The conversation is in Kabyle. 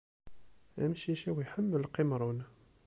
Amcic-iw iḥemmel qimṛun.